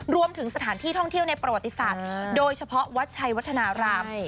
รวมถึงสถานที่ท่องเที่ยวในประวัติศาสตร์โดยเฉพาะวัดชัยวัฒนาราม